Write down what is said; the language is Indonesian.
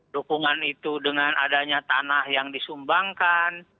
dukungan itu dengan adanya tanah yang disumbangkan